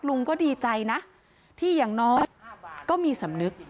ลุงก็ดีใจนะที่อย่างน้อยก็มีสำนึก